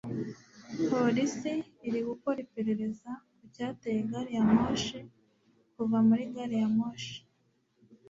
Polisi iri gukora iperereza ku cyateye gari ya moshi kuva muri gari ya moshi